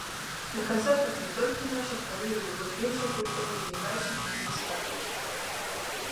На канцэртах не толькі нашых, але і любых іншых гуртоў узнікаюць нейкія беспарадкі.